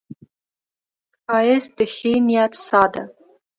ښایست د ښې نیت ساه ده